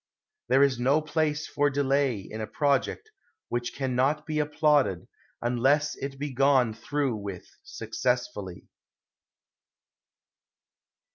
There is no place for delay in a project which can not be applauded unless it be gone through with successfully.